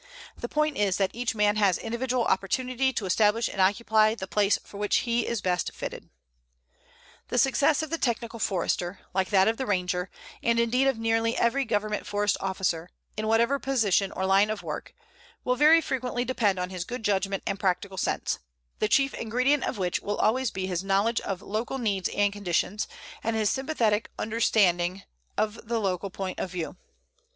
The point is that each man has individual opportunity to establish and occupy the place for which he is best fitted. The success of the technical Forester, like that of the Ranger, and indeed of nearly every Government Forest Officer, in whatever position or line of work, will very frequently depend on his good judgment and practical sense, the chief ingredient of which will always be his knowledge of local needs and conditions, and his sympathetic understanding of the local point of view.